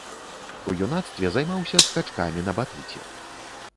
У юнацтве займаўся скачкамі на батуце.